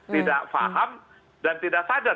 tidak paham dan tidak sadar